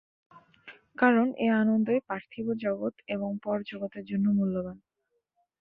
কারণ এ আনন্দই পার্থিব জগৎ এবং পর জগতের জন্য মূল্যবান।